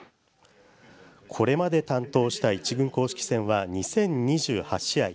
これまで担当した１軍公式戦は、２０２８試合。